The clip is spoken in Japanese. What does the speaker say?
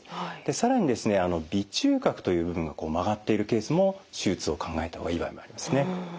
更にですね鼻中隔という部分が曲がっているケースも手術を考えた方がいい場合もありますね。